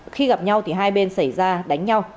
khi gặp nhau thì hai bên xảy ra đánh nhau